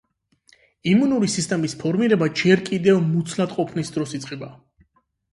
იმუნური სისტემის ფორმირება ჯერ კიდევ მუცლადყოფნის დროს იწყება.